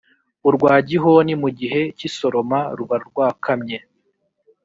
urwa Gihoni mu gihe cy’isoroma rub rwakamye